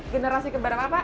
generasi keberanian apa